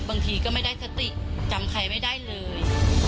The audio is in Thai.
บางทีก็ไม่ได้สติจำใครไม่ได้เลย